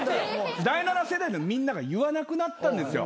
第７世代のみんなが言わなくなったんですよ。